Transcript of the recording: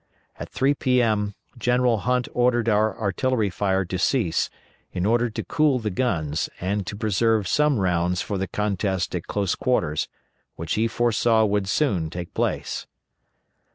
At 3 P.M. General Hunt ordered our artillery fire to cease, in order to cool the guns, and to preserve some rounds for the contest at close quarters, which he foresaw would soon take place.